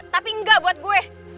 tapi enggak buat gue